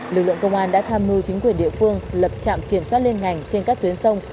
lực lượng công an đã tham mưu chính quyền địa phương lập trạm kiểm soát liên ngành trên các tuyến sông